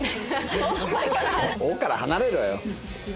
「お」から離れろよ。